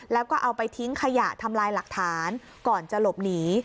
แล้วก็เอาไปทิ้งขยะทำลายหลักฐานก่อนจะหลบหนี